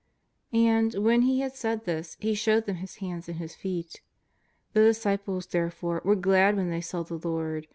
And, when He liad said this. He showed them His hands and His feet. The disciples, therefore, were glad when they saw the Lord.